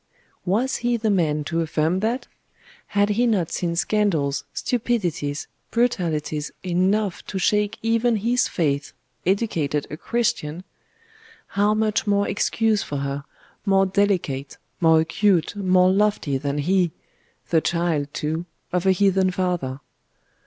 Was he the man to affirm that? Had he not seen scandals, stupidities, brutalities, enough to shake even his faith, educated a Christian? How much more excuse for her, more delicate, more acute, more lofty than he; the child, too of a heathen father?